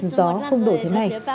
gió không đổ thế này